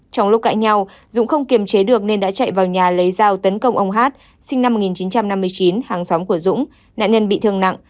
trong lúc cãi nhau dũng không kiềm chế được nên đã chạy vào nhà lấy dao tấn công ông hát sinh năm một nghìn chín trăm năm mươi chín hàng xóm của dũng nạn nhân bị thương nặng